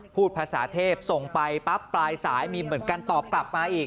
พูดภาษาเทพส่งไปปั๊บปลายสายมีเหมือนกันตอบกลับมาอีก